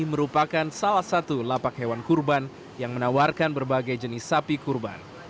merupakan salah satu lapak hewan kurban yang menawarkan berbagai jenis sapi kurban